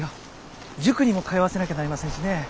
塾にも通わせなきゃなりませんしね。